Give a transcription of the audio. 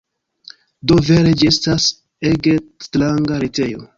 Do, vere ĝi estas ege stranga retejo.